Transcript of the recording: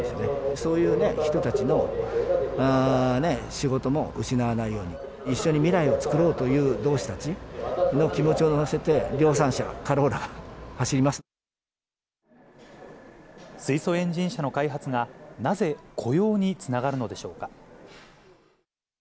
そういうね、人たちの仕事も失わないように、一緒に未来を作ろうという同志たちの気持ちを乗せて、水素エンジン車の開発が、なぜ雇用につながるのでしょうか。